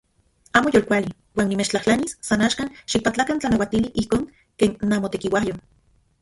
Amo yolkuali uan nimechtlajtlanis san axkan xikpatlakan tlanauatili ijkon ken namotekiuajyo.